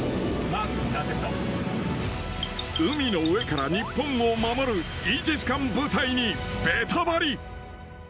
海の上から日本を守るイージス艦部隊にベタバリ！